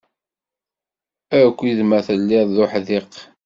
Aki-d ma telliḍ d uḥdiq